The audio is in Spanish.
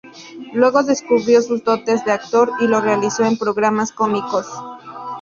Luego descubrió sus dotes de actor y lo realizó en programas cómicos.